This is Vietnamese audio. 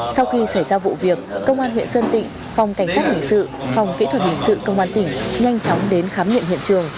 sau khi xảy ra vụ việc công an huyện sơn tịnh phòng cảnh sát hình sự phòng kỹ thuật hình sự công an tỉnh nhanh chóng đến khám nghiệm hiện trường